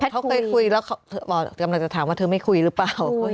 เขาเคยคุยแล้วกำลังจะถามว่าเธอไม่คุยหรือเปล่า